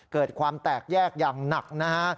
เกิดความแตกแยกอย่างหนักนะฮะ